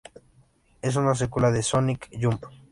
Es una secuela de "Sonic Jump".